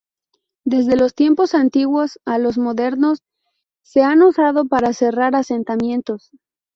Desde los tiempos antiguos a los modernos se han usado para cerrar asentamientos.